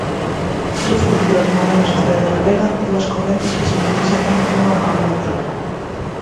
Dúas culturas nunha mesma sociedade galega, dúas correntes que se precisaban unha a outra.